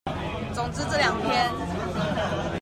總之這兩篇